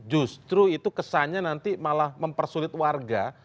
justru itu kesannya nanti malah mempersulit warga